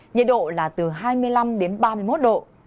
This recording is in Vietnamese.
nhiệt độ là từ hai mươi năm đến ba mươi một độ